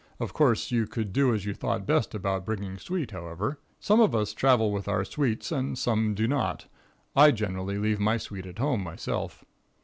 Of course you could do as you thought best about bringing suite, however. Some of us travel with our suites and some do not. I generally leave my suite at home, myself.